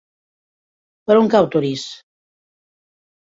Per on cau Torís?